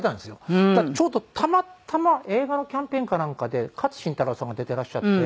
そしたらちょうどたまたま映画のキャンペーンかなんかで勝新太郎さんが出ていらっしゃって。